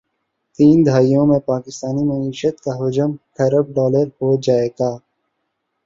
تین دہائیوں میں پاکستانی معیشت کا حجم کھرب ڈالرہوجائےگا